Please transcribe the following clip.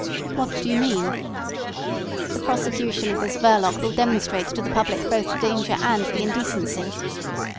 "What do you mean?" "The prosecution of this Verloc will demonstrate to the public both the danger and the indecency."